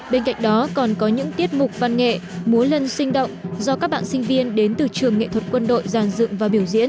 bên cạnh đó còn có những tiết mục văn nghệ múa lân sinh động do các bạn sinh viên đến từ trường nghệ thuật quân đội giàn dựng và biểu diễn